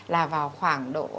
là vào khoảng độ